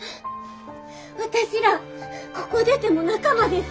私らここ出ても仲間です。